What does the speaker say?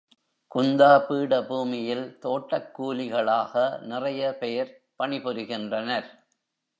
குந்தா பீட பூமியில், தோட்டக் கூலிகளாக நிறைய பேர் பணிபுரிகின்றனர்.